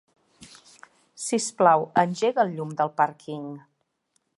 Sisplau, engega el llum del pàrquing.